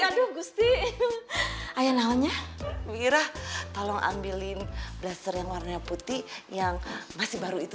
aduh gusti ayo namanya bira tolong ambil ini bleser yang warnanya putih yang masih baru itu